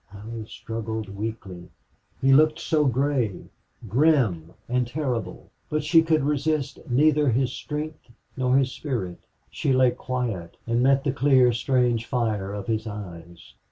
Allie struggled weakly. He looked so gray, grim, and terrible. But she could resist neither his strength nor his spirit. She lay quiet and met the clear, strange fire of his eyes.